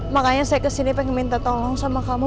makanya saya kesini pengen minta tolong sama kamu